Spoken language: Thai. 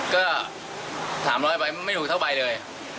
ก็๓๐๐บาทไม่ถูกเท่าใบเลย